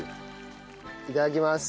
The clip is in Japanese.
いただきます。